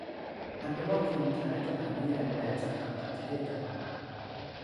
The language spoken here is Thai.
เป็นอันว่าคนไทยก็อ่านนิยายแปลจากต่างประเทศกันมานาน